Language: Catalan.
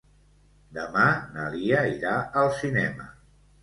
Demà na Lia irà al cinema.